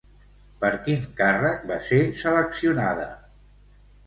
Per quin càrrec va ser seleccionada?